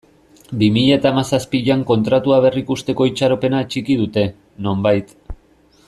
Bi mila eta hamazazpian Kontratua berrikusteko itxaropena atxiki dute, nonbait.